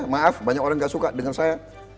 maaf banyak orang gak suka dengan saya